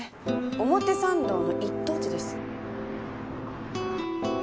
表参道の一等地です。